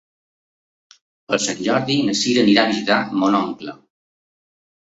Per Sant Jordi na Sira irà a visitar mon oncle.